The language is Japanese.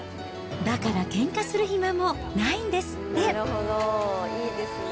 だからけんかする暇もないんですって。